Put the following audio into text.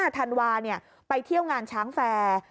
ธันวาไปเที่ยวงานช้างแฟร์